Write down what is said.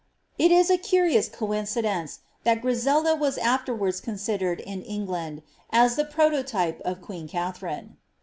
It is a curious coincidenee. that Griselda was afterwards considered, in England, as the prototype of queen Katharine.